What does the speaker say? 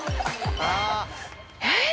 えっ？